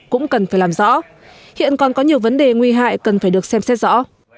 cũng cần phải làm rõ hiện còn có nhiều vấn đề nguy hại cần phải được xem xét rõ